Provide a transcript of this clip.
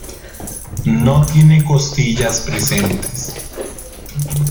No tiene costillas presentes.